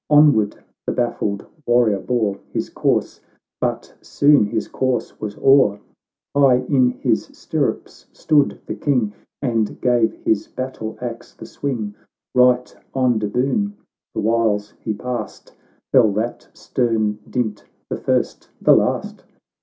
Onward the baffled warrior bore His course — but soon his course was o'er !— High in his stirrups stood the King, And gave his battle axe the swing. Bight on De Boune, the whiles he passed, Eell that stern dint— the first— the last